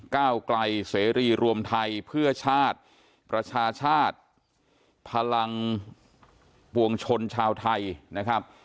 ก้าวไกลเสรีรวมไทยเพื่อชาติประชาชาติพลังปวงชนชาวไทยนะครับ